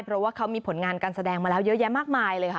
เพราะว่าเขามีผลงานการแสดงมาแล้วเยอะแยะมากมายเลยค่ะ